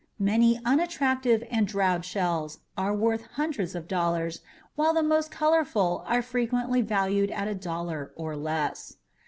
Many unattractive and drab shells are worth hundreds of dollars while the most colorful are frequently valued at a dollar or less.